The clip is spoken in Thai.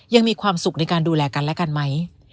ยังมีความสุขในการดูแลกันและกันไหม